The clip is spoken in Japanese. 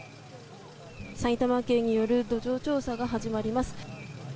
埼玉県による土壌調査が始まります。